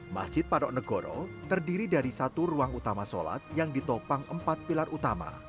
masjid patok negoro terdiri dari satu ruang utama sholat